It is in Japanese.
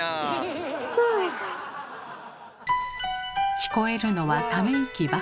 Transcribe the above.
聞こえるのはため息ばかり。